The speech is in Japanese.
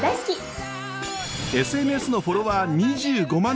ＳＮＳのフォロワー２５万人！